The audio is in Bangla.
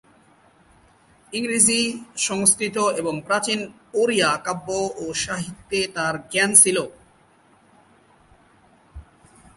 ইংরেজি, সংস্কৃত এবং প্রাচীন ওড়িয়া কাব্য ও সাহিত্যে তার জ্ঞান ছিল।